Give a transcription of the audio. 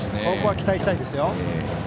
ここは期待したいですよ。